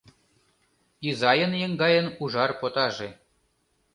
Изайын-еҥгайын ужар потаже